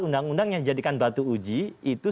undang undang yang dijadikan batu uji itu